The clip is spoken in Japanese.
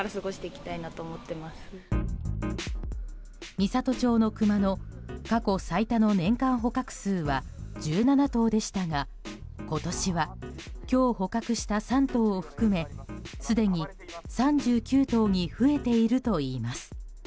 美郷町のクマの過去最多の年間捕獲数は１７頭でしたが今年は今日捕獲した３頭を含めすでに３９頭に増えているといいます。